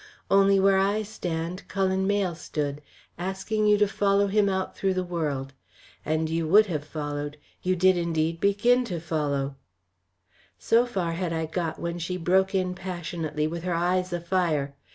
Only where I stand Cullen Mayle stood, asking you to follow him out through the world. And you would have followed, you did indeed begin to follow " So far I had got when she broke in passionately, with her eyes afire!